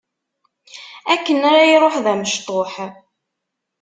Akken ara iruḥ d amecṭuḥ.